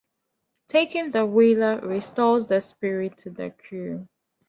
Taking the whaler restores the spirit to the crew.